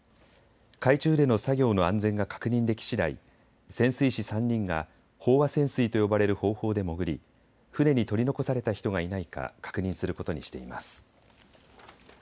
海中での作業の安全が確認できしだい、潜水士３人が飽和潜水と呼ばれる方法で潜り船に取り残された人がいないか確認することにしています。